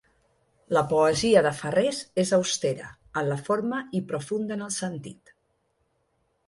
La poesia de Farrés és austera en la forma i profunda en el sentit.